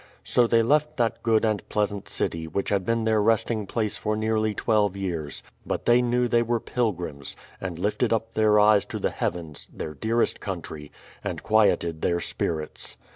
So they left that good and pleasant city, which had been their resting place for nearly twelve years; but they knew they were pilgrims, and lifted up their eyes to the heavens, their dearest country, and quieted their spirits.